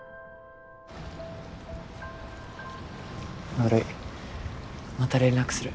悪いまた連絡する。